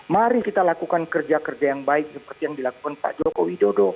mari kita lakukan kerja kerja yang baik seperti yang dilakukan pak joko widodo